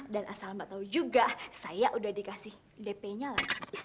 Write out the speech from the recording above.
dan asal mbak tahu juga saya udah dikasih dp nya lagi